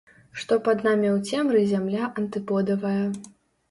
Што пад намі ў цемры зямля антыподавая.